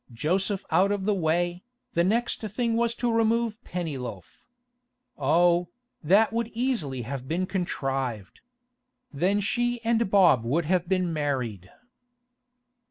Joseph out of the way, the next thing was to remove Pennyloaf. Oh, that would easily have been contrived. Then she and Bob would have been married.